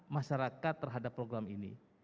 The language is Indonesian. masyarakat terhadap program ini